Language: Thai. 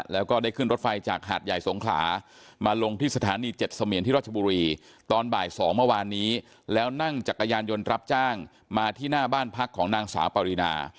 แล้วก็ได้ขึ้นรถไฟจากหาดใหญ่สงขลามาลงที่สถานี๗เสมียนที่ราชบุรีตอนบ่าย๒เมื่อวานนี้แล้วนั่งจักรยานยนต์รับจ้างมาที่หน้าบ้านพักของนางสาวปรินา